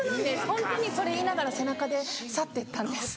ホントにそれ言いながら背中で去ってったんです。